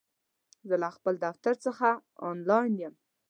زه له خپل دفتر څخه آنلاین یم!